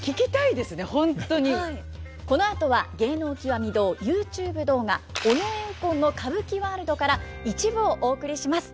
このあとは「芸能きわみ堂」ＹｏｕＴｕｂｅ動画「尾上右近の歌舞伎ワールド」から一部をお送りします。